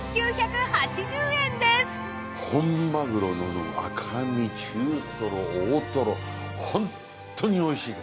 本マグロの赤身中トロ大トロホントにおいしいです！